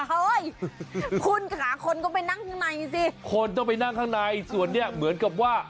คุณขาคนก็ไปนั่งข้างในสิคนก็ไปนั่งข้างในส่วนเนี้ยเหมือนกับว่า